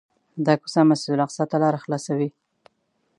دا کوڅه مسجدالاقصی ته لاره خلاصوي.